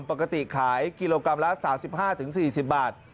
ปกติขายกิโลกรัมละ๓๕๔๐บาท